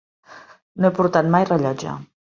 No he portat mai rellotge.